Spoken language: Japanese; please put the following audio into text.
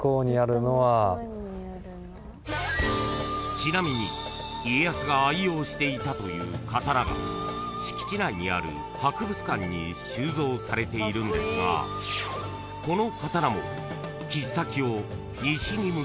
［ちなみに家康が愛用していたという刀が敷地内にある博物館に収蔵されているんですがこの］